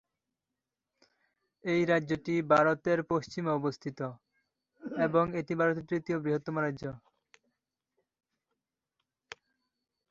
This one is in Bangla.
এই রাজ্যটি ভারতের পশ্চিমে অবস্থিত এবং এটি ভারতের তৃতীয় বৃহত্তম রাজ্য।